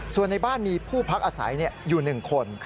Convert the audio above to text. ส่วนในบ้านมีผู้พักอาศัยอยู่๑คน